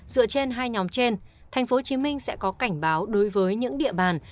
dựa trên hai nhóm trên tp hcm sẽ có cảnh báo đối với những địa bàn